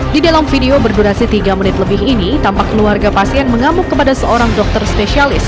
di dalam video berdurasi tiga menit lebih ini tampak keluarga pasien mengamuk kepada seorang dokter spesialis